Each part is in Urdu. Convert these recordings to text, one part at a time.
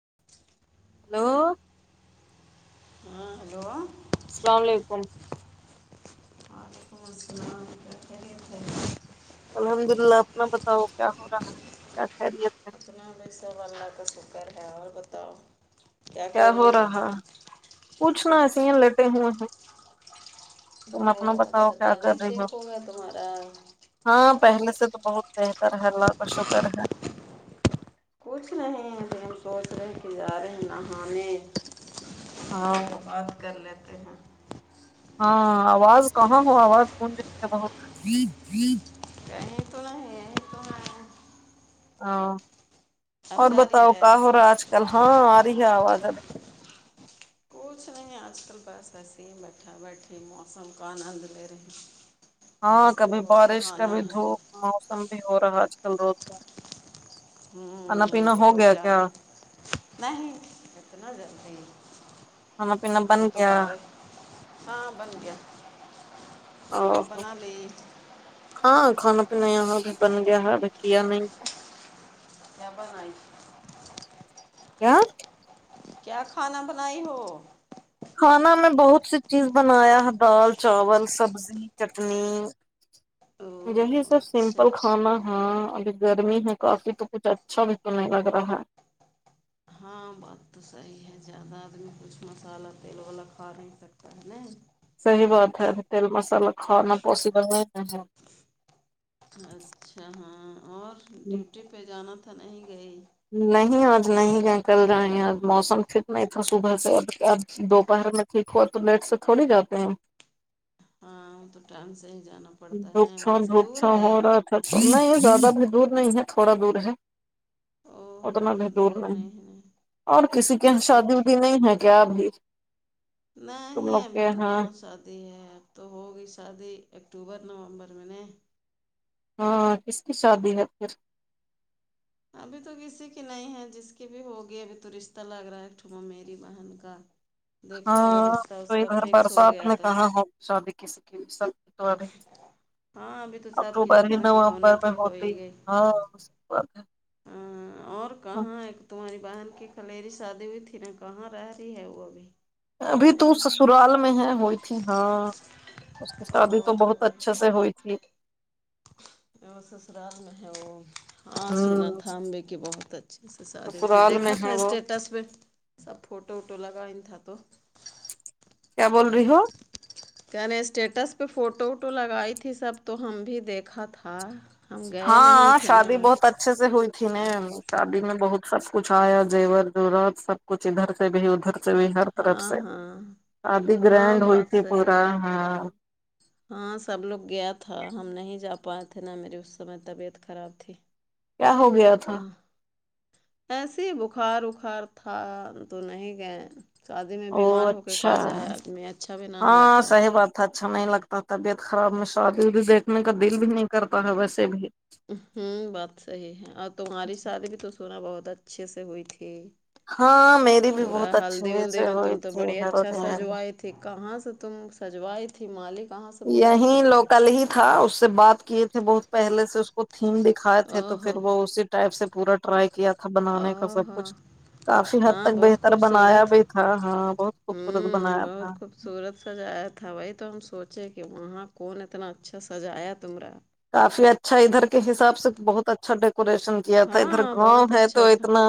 [inaudible] ہیلو ہیلو السلام علیکم [unintelligible] الحمد للہ اپنا بتاؤ کیا ہو رہا ہے کیا خیریت ہے اتنا ویشو واللہ کا شکر ہے اور بتاؤ کیا ہو رہا پوچھنا ایسے ہی لٹے ہوئے ہیں تم او اپنا بتاؤ اچھا کیا توب کر بیس رہی ہو خوب ہے تمہارا ہاں پہلے سے تو بہت بہتر ہے اللہ کا شکر ہے کچھ نہیں ہے تو ہم سوچ رہے کہ جا رہے ہیں نہانے ہاں بات کر لیتے ہیں ہاں آواز کہاں ہو آواز کون ج جی جی [unintelligible] ہے ہاں اب اور جاری بتاؤ کا ہو رہا ہے آج کل ہاں آ رہی ہے آواز اب کچھ نہیں آج کل بس ایسے ہی بیٹھا بیٹھے موسم کا آنند لے رہے ہاں کبھی بارش کبھی دھوپ موسم بھی ہو رہا ہے آج کل روزتے ہمم کیا [unintelligible] نہیں کتنا ج کھانا پینا بن ابھی تو گیا باہارے ہاں بن گیا ہمنے او بنا لی ہاں کھانا پینا یہ بھی بن گیا ہے ابھی کیا نہیں ہے کیا بنائی کیا کیا کھانا بنائی ہو کھانا میں بہت سی چیز بنایا ہے دال چاول سبزی چٹنی یہی [inaudible] سب سمپل کھانا ہے ابھی گرمی ہے کافی تو کچھ اچھا بھی تو نہیں لگ رہا ہے ہاں بات تو صحیح ہے زیادہ آدمی کچھ مسالہ تیل والا کھا نہیں سکتا ہے نہیں صحیح بات ہے تیل مسالا کھانا پوسبل نہیں ہے اچھا ہاں اور ڈیوٹی پہ جانا تھا نہیں گئی نہیں آج نہیں گیی کل جائیں آج موسم ٹھیک نہیں تھا صبح سے اور پھر دوپہر میں ٹھیک ہوا تو لیٹ سے تھوڑی جاتے ہیں ہاں تو ٹایم سے ہی جانا پڑتا ہے دھوپ نا چھاو وہاں سے دھوپ دور چھاو ہو ہے رہا تھا نہیں زیادہ بھی دور نہیں ہے تھوڑا دور ہے او اتنا بھی زیادہ دور نہیں ہے اور کسی کے یہاں شادی اسکوٹ بھی نہیں ہے کیا بھی نہیں ابھی تو کہاں شادی ہے اب تو ہوگی شادی اکتوبر نومبر میں نہیں ہاں کس کی شادی ہے پھر ابھی تو کسی کی نہیں ہے جس کی بھی ہوگی ابھی تو رشتہ لگ رہا ہے ٹھومے میری بہن کا [inaudible] دیکھو اگر ہاں رشتہ تو اس کا ادھر فکس ہو برسات گیا میں تو کہاں ہو شادی کسی کی سب تو ابھی ہاں ابھی تو سب کی اکتوبر ہی جتنا کی نومبر ہونا میں تھی ہو ہوتی ہے ہاں صحیح بات ہے ہمم اور کہاں ہے تمہاری بہن کی پلری شادی ہوئی تھی نا کہاں رہ رہی ہے وہ ابھی ابھی تو سسرال میں ہے وہی تھی ہاں او شادی تو ہو بہت اچھے سے ہوئی تھی ابھی وہ سسرال میں ہے وہ ہاں سنا ہوں تھا ہم بھی کہ بہت اچھے سے شادی تھی سسرال میں دیکھا تھا ہے وہ اسٹیٹس پہ سب فوٹو ووٹو لگائیں تھا تو کیا بول رہی ہو کیا نے اسٹیٹس پہ فوٹو ووٹو لگائی تھی سب تو ہم بھی دیکھا تھا ہم گئے نہیں ہاں تھے نا شادی بہت اچھے سے ہوئی تھی نہ شادی میں بہت سب کچھ آیا زیور زیورات سب کچھ ادھر سے بھی ادھر سے بھی ہر طرف ہاں سے ہاں شادی ہاں گرنڈ ہوئی بات تھی صحیح پورا ہے ہاں ہاں سب لوگ گیا تھا ہم نہیں جا پائے تھے نہ میری اس سمے طبیعت خراب تھی کیا ہو گیا تو تھا ایسے ہی بخار وخار تھا تو نہیں گئے شادی میں او بیمار ہو کے اچھا کہا جائے آدمی اچھا بھی نہ ہاں لگتا ہے صحیح بات اچھا نہیں لگتا طبیعت خراب میں شادی ودی دیکھنے کا دل بھی نہیں کرتا ہے ویسے بھی ہمم بات صحیح ہے اور تمہاری شادی بھی تو سونا بہت اچھے سے ہوئی تھی ہاں میری بھی پورا بہت ہلدی اچھے ولدی سے میں ہوئی تم تو تھی بڑی اچھا سجوئے تھی کہاں سے تم سجوائی تھی مالک کہاں سے بلائی تھی یہیں تم لوکل ہی تھا اس سے بات کیے تھے بہت پہلے سے اس کو تھیم دکھائے تھے او تو ہو پھر وہ اس ٹائپ سے پورا ٹرائی کیا تھا بنانے کا او سب ہو کچھ کافی حد ہاں تک بہت بہتر بنایا خوبصورت بھی تھا ہاں بہت خوبصورت ہوں بنایا تھا بہت خوبصورت سجایا تھا وہی تو ہم سوچے کہ وہاں کون اتنا اچھا سجایا تمارا کافی اچھا اچھا ادھر کے حساب سے بہت اچھا ڈیکوریشن کیا تھا ادھر ہاں گاؤں بہت ہے اچھا تو تھا اتنا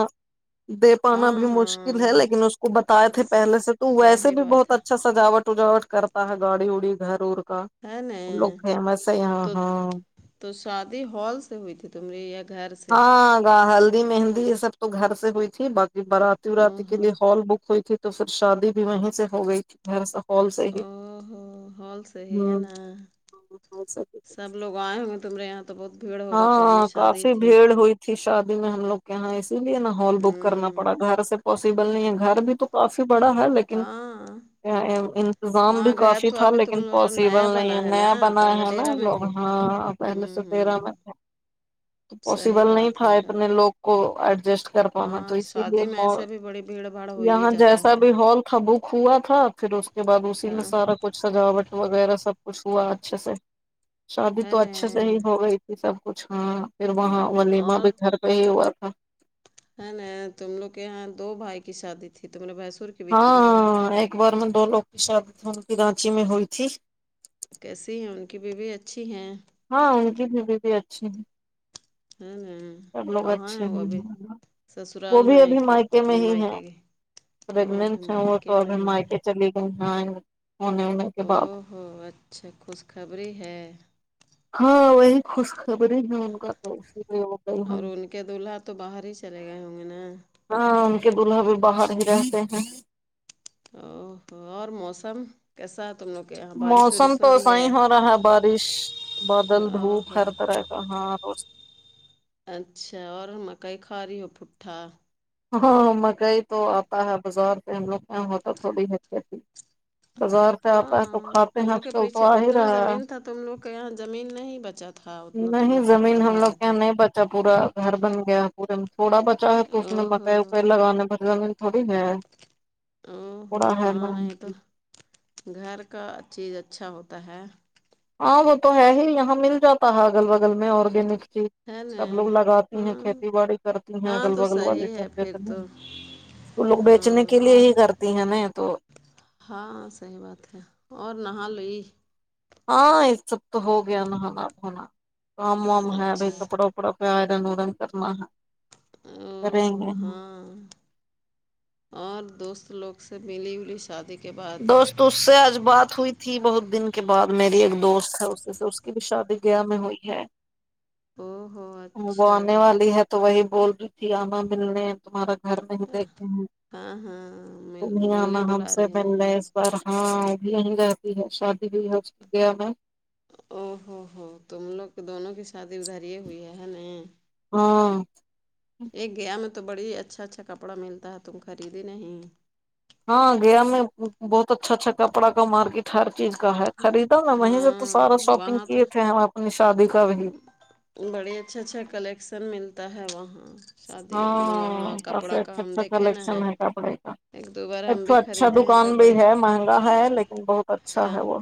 دے پانا ہاں بھی مشکل ہے ہاں لیکن اس کو بتائے تھے پہلے سے تو ویسے صحیح بھی بات بہت ہے اچھا سجاوٹ وجاوٹ کرتا ہے گاڑی وڑی گھر اور کا ہے نا وہ لوگ فیمس ہے یہاں تو ہاں تو شادی ہال سے ہوئی تھی تمری یا گھر سے ہاں گ ہلدی مہندی یہ سب تو گھر سے ہوئی تھی باقی بارات او وراتی کے ہو لیے ہال بک ہوئی تھی تو پھر شادی بھی وہیں سے ہو گئی تھی با سا ہال سے [unintelligible] او ہو ہال صی ہے نا ہوں سب لوگ گ ہ تمےاں [unintelligible] تو بہت بھیڑ ہوگا پہلی ہاں شادی کافی تھی بھیڑ ہوئی تھی شادی میں ہم لوگ کے یہاں اسی لیے نا ہال بک کرنا ہوں پڑا گھر سے پاسبل نہیں ہے گھر بھی تو کافی بڑا ہے لیکن ہاں انتظام بھی ہاں گھر کافی تو تھا ابھی تم لیکن لوگا پاسبل نیا نہیں ہے بنا نا نیا بنا پہلے ہے نا ڈیرا میں لوگ تھے ہاں ا ن سو ہوں تیرہ م ہوں [unintelligible] [inaudible] تو صحیح پاسبل نہیں بات تھا ہے یار اتنے لوگ کو ایڈجسٹ کر پانا تو ہاں اسی لیے شادی میں ایسے بھی بڑی بھیڑ بھاڑ ہو ہی یہاں جاتا جیسا ہے بھی ہال تھا بک ہوا تھا پھر اس کے بعد اسی ن ہاں سارا کچھ سجاوٹ وغیرہ سب کچھ ہوا اچھے سے شادی ہے تو نا اچھے سے ہی ہو گئی یہ سب کچھ ہاں پھر وہاں ولیما اور بھی گھر پہ ہی ہوا تھا ہے ن تم لوگ کے یہاں دو بھائی کی شادی تھی تمہ نےے بسور کی بھی تھی نا ہاں ایک بار میں دو لوگ کی شادی کی رانچی میں ہوئی تھی کیسی ہیں ان کی بیوی اچھی ہیں ہاں ان کی دوی بھی اچھی ہان سب لوگ اچھے ہی ہیں وہ سسرال بھی میں ہے ابھی کہ مائکے میں اپنے ہی ہیں مائکے کے او ابھی پگنٹ ہیں وہ تو مائکے اب میں ہم ہی آار ہیں کے چلی گئیئیں گ او ہو اچھا خوش خبری ہے ہاں وہی خوشخبری ہے ان کا تو اس لیے وہ گئی اور ہوں ان کے دولہا تو باہر ہی چلے گئے ہوں گے نا ہاں ان کے دلہا بھی باہر ہی رہتے ہیں او اور موسم کے ساتھ [unintelligible] تم نو کیا [unintelligible] موسم تو ص ہی ہو رہا ہے بارش بدل او دھوپ ف ہو ہرد رہ ہے گ ہاں رو اچھا اور مکئی کھا رہی ہو پٹھا ہاں مکئی تو آتا ہے بازار پہ ہم لوگ یہ ہوتا تھوڑی حقت بازار سے آتا ہے تو ہاں کھاتے تم ہیں لوگ آج کے کل تو پیچھے آ ہی اتنا رہا ہے زمین تھا تم لوگ کے یہاں زمین نہیں بچاتا نہیں زمین ہم لوگ کے یہاں نہیں بچا پورا گھر بن گیا ہے پورے میں تھوڑا بچا ہے تو اس او میں ہو مکائی وکائی لگانے بھر زم تھوڑی ہے او ہو ہوا ہے ن ہاں نہیں تو گھر کا چیز اچھا ہوتا ہے ہاں وہ تو ہے ہی یہاں مل جاتا ہے اگل بغل میں آرگینک چیز ہے نا سب لوگ لگاتی ہیں ہاں کھیتی باڑی کرتی ہیں ہاں اگل تو بگل والی صحیح ہے پھر سبیتنی تو تو لوگ ہاں بیچنے کے لیے اور ہی کرتی ہیں نا تو ہاں صحی بات ہے اور نہا لوئی ہاں یہ سب تو ہو گیا ن ہوا بنا کام وام ہے بائی اچھا کپڑا وپا کڑا پ آئرن ورن کرنا ہے [unintelligible] او کریں ہو گے ہم ہاں [unintelligible] اور دوست لوگ سے ملی ولی شادی کے بعد تو اس سے آج بات ہوئی تھی بہت دن کے بعد میری ایک دوست ہے اس سے اس کی بھی شادی گیا میں ہوئی ہے [inaudible] او ہو وہ اچھا آنے والی ہے تو وہی بول رہی تھی آاما ملنے تمہارا گھر نہیں دیکھے ہیں ہاں ہاں مل تمیں ملنے ہم بلا سے رہی ہے نا پر ہاں بھی یہیں رہتی ہے شادی بھی ہو کی گیا میں او ہوو ہو تم لوگ دونوں کی شادی ادھر یہ ہوئی ہے ن ہاں ایک گیا میں تو بڑی اچھا اچھا کپڑا ملتا ہے تم خریدی نہیں ہاں گیا میں بہت اچھا اچھا کپڑا کا مارکیٹ ہر چیز کا ہے خریدا میں وہیں سے تو ہاں سارا شاپنگ وہاں تو کیے تھے ہم اپنی شادی کا بھی بڑے اچھے اچھا کلیکشن ملتا ہے وہاں شادی میں وہاں ہاں کافی کپڑا کا اچھا ہم اچھا دیکھے نہا کلیکشن ہے کپڑے کا ایک دو بار ہم تو بھی اچھا خریدے ہیں تو دکان بھی بڑی ہے مہنگا ہے لیکن بہت اچھا ہاں ہے وہ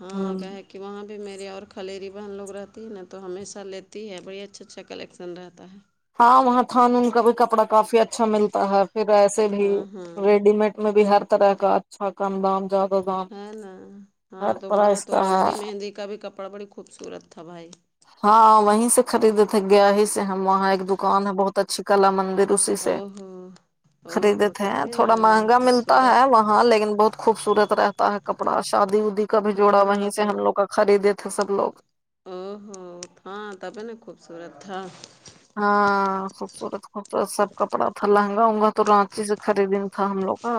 ہاں ہوں کہ کہ وہاں پہ میرے اور خھلیری بہن لوگ رہتی ہے نا تو ہمیشہ لیتی ہے بڑی اچھا اچھا کلیکشن رہتا ہے ہاں وہاں تھان ان کا بھی کپڑا کافی اچھا ملتا ہے پھر ایسے بھی ہاں ہاں ریڈی مڈ میں بھی ہر طرح کا اچھا کم دام جاتا ہے نا ہاں تمہارا تو کا ہے ہلدی مہندی کا بھی کپڑا بڑی خوبصورت تھا بھائی ہاں وہیں سے خریدے تھے گیا ہی سے ہم وہاں ایک دکان ہے بہت اچھی کلا مندر اسسی سے او ہو او ہو خریدتے ہیں تبھی نا تھوڑا مہنگا ملتا خوبصورت ہے وہ ہاں لیکن بہت خوبصورت رہتا ہے کپڑا شادی ودی کب جوڑا ہاں وہیں سے تو ہم لوگ کا خریدے تھے سب لوگ او ہوو تھا ت پ ن خوبصورت تھا ہاں خوبصورت خوبصورت سب کپڑا تھا لہنگا انگا تو رانچی سے خرید میں تھا ہم لوگ کا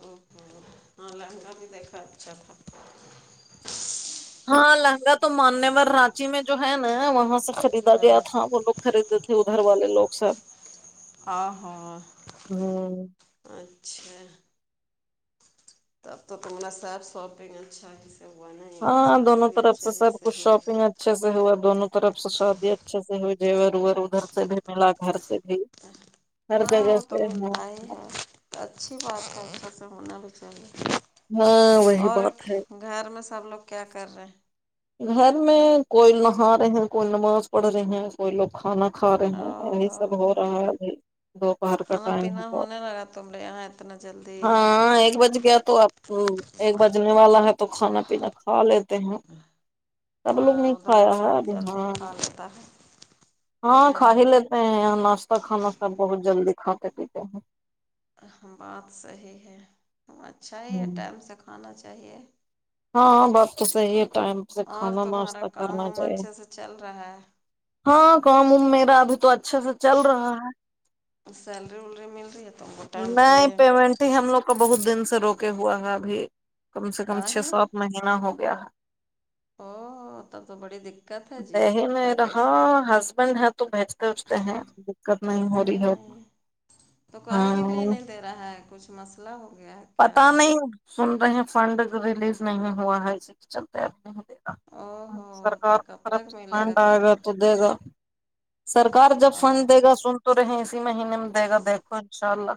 او ہ ہاں لہنگا بھی دیکھا اچھا تھا ہاں لہنگا تو ماننے وال رانچی میں جو ہے نا وہاں سے خریدا گیا ہاں تھا وہ لوگ خریدے تھے ادھر والے لوگ سب ہ ہاں ہوں اچھا تب تو تم سب ساپگ اچھا تو ہوا ن ہاں سادے دونوں بھی طرف اچھے ہے سب سے کچھ ہوئی شاپنگ اچھے سے ہوا دونوں طرف سے شادی اچھے سے ہوئی جیور اور ادھر سے بھی ملا گھر سے بھی ہر ہاں جگہ وہ تو سے ملتا ہی ہاں ہے اچھی بات ہے اچھے سے ہونا بھی چاہیے ہاں وہی اور بات ہے گھر میں سب لوگ کیا کر رہے گھر میں کوئی نہا رہے ہیں کوئی نماز پڑھ رہے ہیں کوئی لوگ کھانا کھا رہے ہیں یہی سب ہو رہا ہے ابھی دوپہر کا کھانا ٹائم ہے پینا تو ہونے لگا تمرے یہاں اتنا جلدی ہاں ایک بج گیا تو آپ ہ ایک بجنے والا ہے تو کھانا پینا کھا لیتے ہیں سب اور لوگ نہیں ادھر کھایا ایسے ہے بھی ابھی جلدی ہاں کھا لیتا ہے ہے ہاں نا کھا ہی لیتے ہیں یہ ناشتہ کھانا سب بہت جلدی کھاتے پیتے ہیں بات صحیح ہے اچھا ہی ہیں ہے ٹائم سے کھانا چاہیے ہاںاں بات تو صحیح ہے ٹائم سے کھانا اور تمہارا ناشتہ کام کرنا وام چاہیے اچھے سے چل رہا ہے ہاں کام ا میرا ابھی تو اچھے سے چل رہا ہے سیلری ولری مل رہی ہے تم کو ٹائم سے نہیں پیمنٹ ی ہم لوگ کا بہت دن سے روکے ہوا ہے ابھی کم سے کم کا چھ ہے سات مہینہ ہو گیا ہے او تب تو بڑی دقت ہے جی دہ میں تا کیسے رہاں ہسبینڈ ہے تو بیجتے اجتے ہیں دقت نہیں ہو رہی ہے ا تو کہے کہ لیے نہیں دے رہا ہے کچھ مسئلہ ہو گیا ہے کیا پتا نہیں سن رہے ہیں فنڈ ریلیز نہیں ہوا ہے اسی کے چلتے اب ہو او ہو تو سرکار کی کب طرف تک ملے سپینڈ تم آئے گا کو تو دے گا سرکار جب او فنڈ دے گا سن تو رہے اسی مہینے میں دے گا دیکھو ان شاء اللہ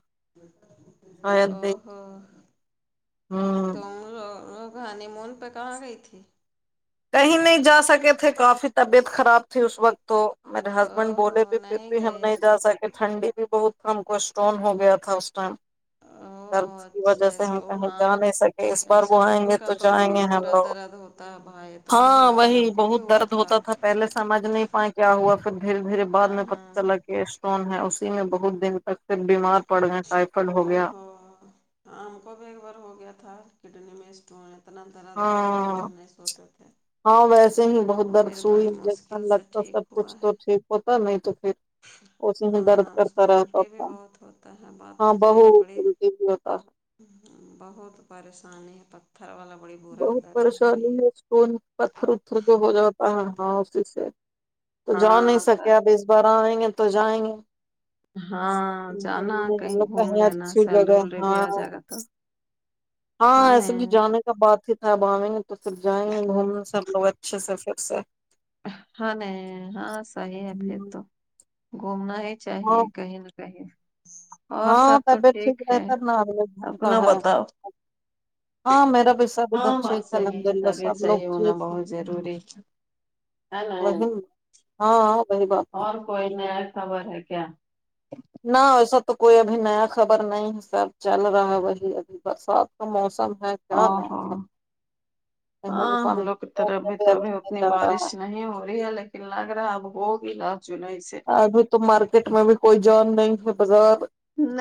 س او تم لوگانی مون پہ کہاں گئی تھی کہیں نہیں جا سکے تھے کافی طبیعت خراب تھی اس وقت تو میرے او ہسبینڈ ہو بولے تھ پھر نہیں بھی ہم گئی نہیں جا سکے ٹھنڈی بھی بہت ہم کو اسٹون ہو گیا تھا اس ٹائم [inaudible] او درد کی اچھا وجہ سے ہم اسٹون کہیں ہاں جا نہیں سکے اس بار وہ آئیں اسٹون گے کا تو جائیں بہت گے ہم برا لوگ درد ہوتا ت باعت ہاں وہی بہت درد ہوتا تھا پہلےمجھ نہیں پائےیں کیا ہوا پھر دھیرے دھیرےعد ہاں میں پتا ہاں چلا یہ اسٹون ہے اسی میں بہت دن تک سے بیمار پڑ گئے ٹائیفائڈ ہو گیا آم کو بھی ایک بار ہو گیا تھا کڈنی میں تو اتنا دراد درادر پر ہاں نہیں سوتے تھے ہاں ویسے ہی بہت درد پھر سوئی بڑی انجیکشن مشکل سے لگتا سب ٹھیک کچھ ہوا تو ہے ٹھیک ہوتا نہیں تو پھر اس ہی درد ہاں اس کرتا میں رہتا الٹی بھی تھا بہت ہوتا ہے بات ہاں تو صحیح ہے بڑی بہوٹی بھی ہوتا ہے بہت پریشانی ہے پتھر والا بڑی برا ہے درد بھائی توون پتھر اتھر جو ہو جاتا ہے ہاں اسی سے تو جا نہیں ہاں سکے بس اب اس بر آئیں گے تو جائیں گے ہاں جانا گھوم کہیں لینا اچھی سیلری جگہ ولری بھی ہاں آ جائے گا تو ہاں ایسے بھی جانے کا بات ہی تھا اب آئیں گے تو پھر جائیں گے گھوم سب لوگ اھ س سھر سے [unintelligible] ہاں نہیں ہاں صحیح ہے پھر تو گھومنا ہی ہاں چاہیے کہیں نہ رہ [unintelligible] ہاں طبیعت سے بہتر نہ بھومتا اپنا ہے بتاؤ ہاں میرا بھی سب ادھر ہاں ٹھیک بات ہے الحمد صحیح للہ سب طبیعت لوگ صحیح ہونا ٹھیک بہت ضروری ہے نا وہ ہاں وہی بات ہے اور کوئی ن خبر ہے کیا نہ وسا تو کوئی ابھی نیا خبر نہیں ہے سب چل رہا ہے وہی ابھی برسات کا موسم ہے ہا کیا نیا ہا خبر کہیں ہاں ہم انسان لوگ کی طرف بھی تو ابھی اتنی جا رہا ہے بارش نہیں ہو رہی ہے لیکن کلگرا آگ ہوگ ل ج نسے ابھی تو مارکیٹ میں بھی کوئی جان نہیں ہے بازار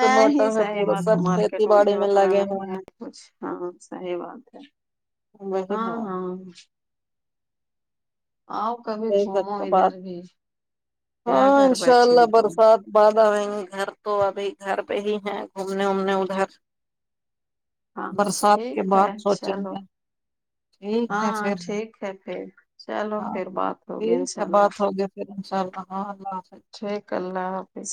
سناٹا ہے صحیح پورا بات سب مارکیٹ کھیتی میں بھی باڑی اتنا لگے ہوئے نہیں ہے ہیں کچھ ہاں صحی بات ہے وہی ہاں نا ہاں آؤ کبھی یہی سب گھومو تو ادھر بات بھی کیا گھر بیٹھی ہو تم بد آ رہیں گ گھر تو ابھی گھر پہ ہی ہیں گھومنے وومنے ادھر ہاں برسات کے ٹھیک بعد ہے سوچیں چلو گے ٹھیک ہے ہاں پھر ٹھیک ہے پھر چلو ہاں پھر بات ہوگی ٹھیک انشاء ہے بات اللہ ہوگی ء اللہ ہاں اللہ حافظ [unintelligible] ٹھیک اللہ حافظ